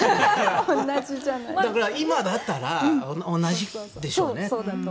今だったら同じでしょうね。